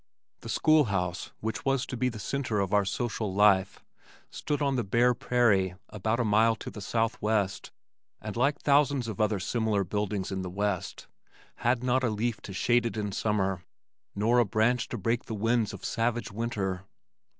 The school house which was to be the center of our social life stood on the bare prairie about a mile to the southwest and like thousands of other similar buildings in the west, had not a leaf to shade it in summer nor a branch to break the winds of savage winter.